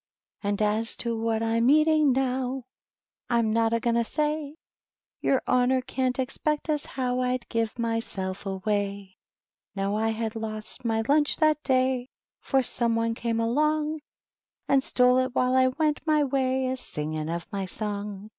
And as to what I'm eaiing now, I'm not argm.ng to say; Your honor catCt expect as how I d give myself auay Now, I had lost my lunch that i For soToe one cams along THE WHITE KNIGHT. 115 And stole it while I went my way A dngiTig of my song.